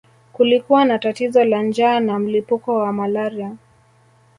Kulikuwa na tatizo la njaa na mlipuko wa malaria